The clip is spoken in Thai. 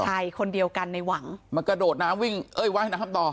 ใช่คนเดียวกันในหวังมากระโดดน้ำวิ่งเอ้ยว่ายน้ำต่อ